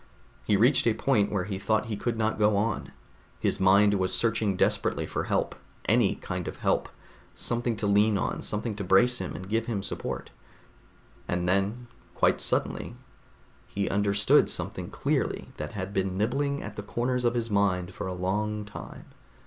He reached a point where he thought he could not go on. His mind was searching desperately for help any kind of help, something to lean on, something to brace him and give him support. And then quite suddenly he understood something clearly that had been nibbling at the corners of his mind for a long time.